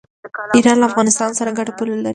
ایران له افغانستان سره ګډه پوله لري.